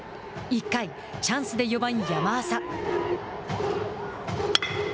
１回、チャンスで４番山浅。